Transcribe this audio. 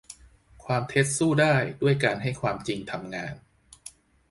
ความเท็จสู้ได้ด้วยการให้ความจริงทำงาน